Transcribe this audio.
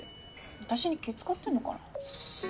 私に気ぃ使ってんのかな。